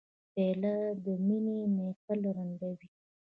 پیاله د مینې محفل رنګینوي.